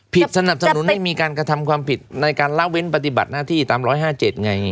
ผิดสนับสนุนไม่มีการกระทำความผิดในการละเว้นปฏิบัติหน้าที่ตามร้อยห้าเจ็ดไง